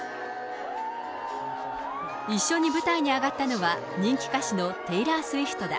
一緒に舞台に上がったのは、人気歌手のテイラー・スウィフトだ。